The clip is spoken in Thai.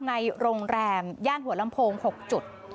ในโรงแรมย่านหัวลำโพง๖จุด